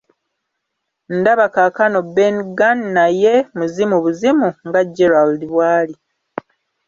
Ndaba kaakano Ben Gunn naye muzimu buzimu nga Gerald bw'ali.